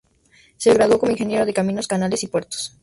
Se graduó como ingeniero de caminos, canales y puertos.